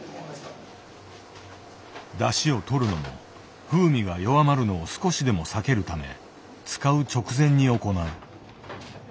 だしをとるのも風味が弱まるのを少しでも避けるため使う直前に行う。